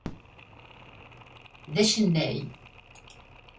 D acennay.